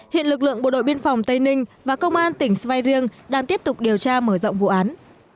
hiện lực lượng bộ đội biên phòng tây ninh và công an tỉnh sveiring đang tiếp tục điều tra mở rộng vụ án